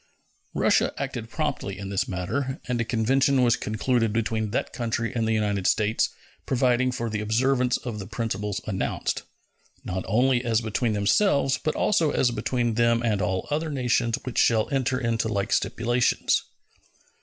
Russia acted promptly in this matter, and a convention was concluded between that country and the United States providing for the observance of the principles announced, not only as between themselves, but also as between them and all other nations which shall enter into like stipulations.